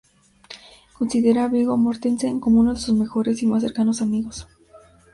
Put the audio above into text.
Considera a Viggo Mortensen como uno de sus mejores y más cercanos amigos.